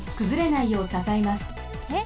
えっ？